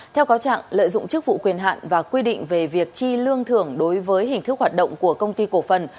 theo cáo trạng lợi dụng chức vụ quyền hạn và quy định về việc chi lương thưởng đối với hình thức hoạt động của công ty cổ phần